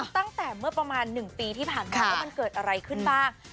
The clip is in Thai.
ตั้งแต่เมื่อประมาณ๑ปีที่ผ่านมาว่ามันเกิดอะไรขึ้นบ้าง